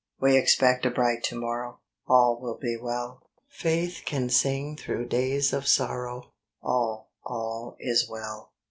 We expect a bright to morrow, All will be well: Faith can sing through days of sorrow, All, all is well.